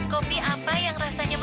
kopi apa yang rasanya